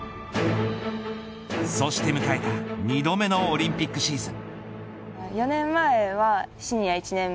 そして迎えた２度目のオリンピックシーズン。